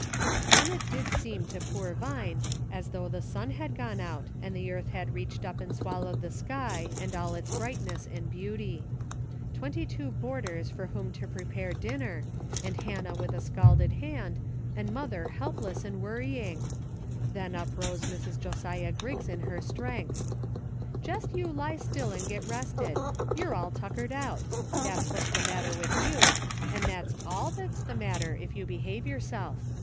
Then it did seem to poor Vine as though the sun had gone out and the earth had reached up and swallowed the sky, and all its brightness and beauty. Twenty two boarders for whom to pre pare dinner, and Hannah with a scalded hand, and mother helpless and worrying ! Then up rose Mrs. Josiah Griggs in her strength. " Jest you lie still and get rested ; you're all tuckered out ; that's what's the matter with you ; and that's all that's the matter, if you behave yourself.